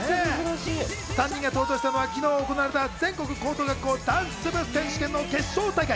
３人が登場したのは昨日、行われた全国高等学校ダンス部選手権の決勝大会。